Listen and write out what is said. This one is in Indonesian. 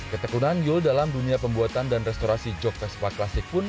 ketekunan yul dalam dunia pembuatan dan restorasi jog vespa klasik pun